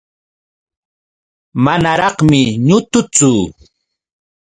Manaraqmi ñutuchu.